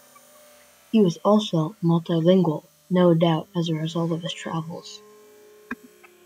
He was also multi-lingual, no doubt as a result of his travels.